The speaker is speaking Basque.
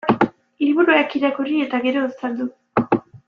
Liburuak irakurri eta gero, saldu.